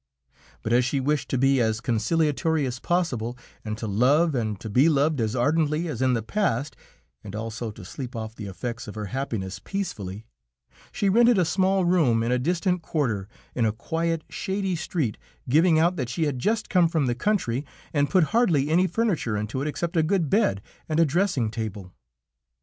But as she wished to be as conciliatory as possible, and to love and to be loved as ardently as in the past, and also to sleep off the effects of her happiness peacefully, she rented a small room in a distant quarter, in a quiet, shady street giving out that she had just come from the country, and put hardly any furniture into it except a good bed and a dressing table.